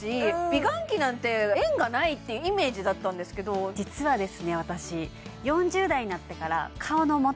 美顔器なんて縁がないってイメージだったんですけど実はですね